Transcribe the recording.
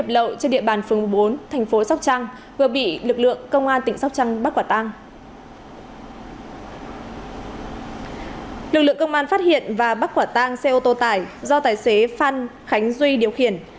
lực lượng công an phát hiện và bắt quả tang xe ô tô tải do tài xế phan khánh duy điều khiển